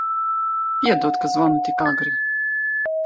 Piedod, ka zvanu tik agri.